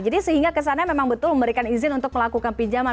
jadi sehingga kesannya memang betul memberikan izin untuk melakukan pinjaman